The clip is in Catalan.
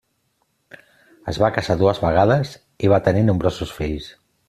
Es va casar dues vegades i va tenir nombrosos fills.